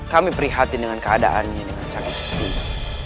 kami perhatikan keadaannya dengan sangat penting